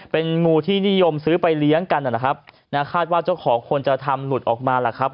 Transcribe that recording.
เป็นงูที่นิยมซื้อไปเลี้ยงกันนะครับนะคาดว่าเจ้าของควรจะทำหลุดออกมาล่ะครับ